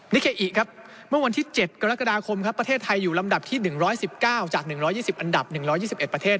เคอิครับเมื่อวันที่๗กรกฎาคมครับประเทศไทยอยู่ลำดับที่๑๑๙จาก๑๒๐อันดับ๑๒๑ประเทศ